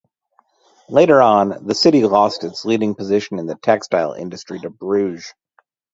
Later on the city lost its leading position in the textile industry to Brugge.